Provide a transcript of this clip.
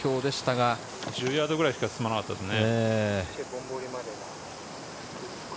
１０ヤードぐらいしか進まなかったですね。